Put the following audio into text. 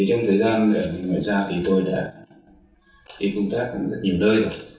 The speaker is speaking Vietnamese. trong thời gian ở ngành ngoại giao thì tôi đã đi công tác ở rất nhiều nơi